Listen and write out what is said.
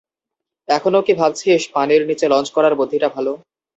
এখনও কি ভাবছিস পানির নিচে লঞ্চ করার বুদ্ধিটা ভাল?